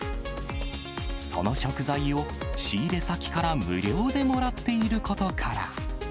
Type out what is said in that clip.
その食材を仕入れ先から無料でもらっていることから。